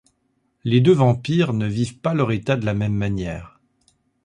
Les deux vampires ne vivent pas leur état de la même manière.